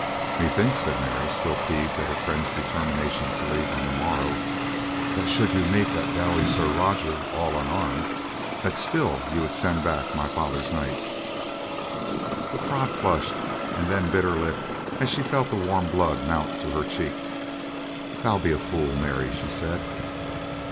"Methinks," said Mary, still peeved at her friend's determination to leave on the morrow, "that should you meet the doughty Sir Roger all unarmed, that still would you send back my father's knights." Bertrade flushed, and then bit her lip as she felt the warm blood mount to her cheek. "Thou be a fool, Mary," she said.